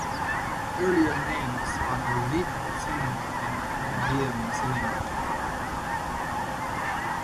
Earlier names are the Lido Cinema and the Palladium Cinema.